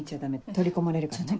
取り込まれるからね。